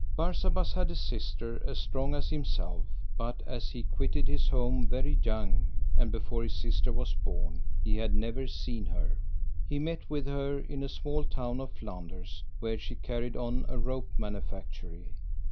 Barsabas had a sister as strong as himself, but as he quitted his home very young, and before his sister was born, he had never seen her. He met with her in a small town of Flanders, where she carried on a rope manufactury.